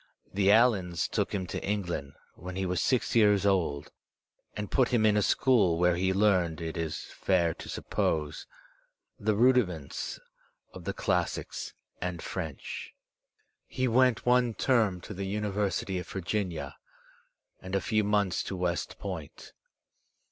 The Allans took him to England when he was six years old and put him in a school where he learned, it is fair to suppose, the Digitized by Google POE 127 Tudiments of the classics and French. He went one term to the University of Virginia, and a few months to West Point.